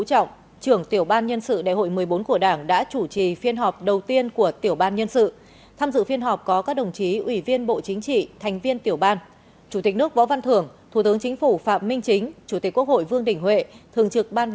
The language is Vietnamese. xin chào trung ương trần cầm tú các đồng chí thành viên tổ giúp việc của tiểu ban